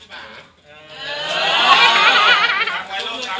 ไม่เป็นไร